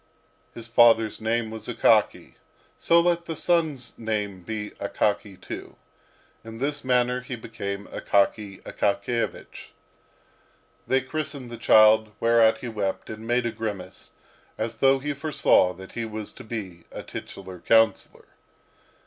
His father's name was Akaky, so let his son's name be Akaky too." In this manner he became Akaky Akakiyevich. They christened the child, whereat he wept, and made a grimace, as though he foresaw that he was to be a titular councillor.